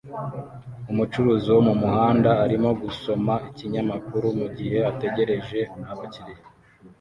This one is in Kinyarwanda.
Umucuruzi wo mumuhanda arimo gusoma ikinyamakuru mugihe ategereje abakiriya